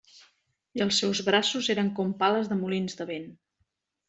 I els seus braços eren com pales de molins de vent.